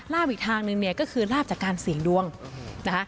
อีกทางนึงเนี่ยก็คือลาบจากการเสี่ยงดวงนะคะ